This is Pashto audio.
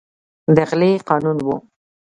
د غلې قانون و.